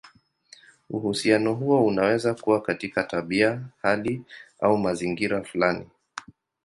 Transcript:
Uhusiano huo unaweza kuwa katika tabia, hali, au mazingira fulani.